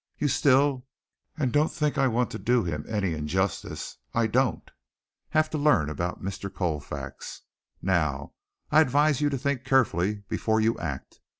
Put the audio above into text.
You still and don't think I want to do him any injustice; I don't have to learn about Mr. Colfax. Now, I'd advise you to think carefully before you act.